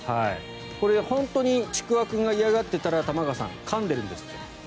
これ、本当にちくわ君が嫌がっていたら玉川さん、かんでるんですって。